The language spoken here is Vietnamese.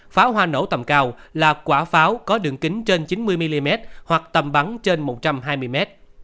pháo hoa nổ tầm cao là quả pháo có đường kính trên chín mươi mm hoặc tầm bắn trên một trăm hai mươi mét